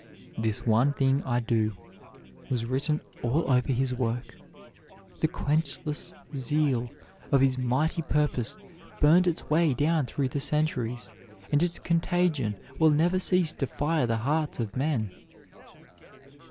"This one thing I do" was written all over his work. The quenchless zeal of his mighty purpose burned its way down through the centuries, and its contagion will never cease to fire the hearts of men.